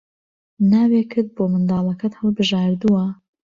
ناوێکت بۆ منداڵەکەت هەڵبژاردووە؟